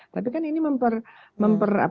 tapi kan ini memper